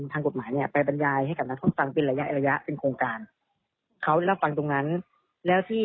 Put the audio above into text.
ถ้านายโจทในคดีนี้